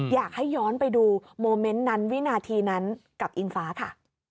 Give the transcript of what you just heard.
อยากให้ย้อนไปดูโมเมนต์นั้นวินาทีนั้นกับอิงฟ้าค่ะ